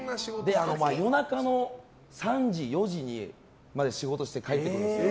夜中の３時、４時まで仕事をして帰ってくるんです。